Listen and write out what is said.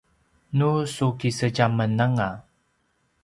nu su kisedjamen anga